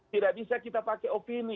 tidak bisa kita pakai opini